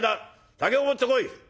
酒を持ってこい」。